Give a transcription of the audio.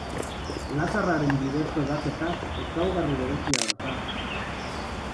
Laserraren bidezko ebaketak ezaugarri berezia dauka.